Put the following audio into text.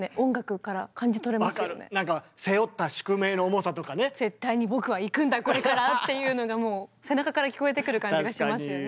そういうところが「絶対に僕は行くんだこれから」っていうのがもう背中から聞こえてくる感じがしますよね。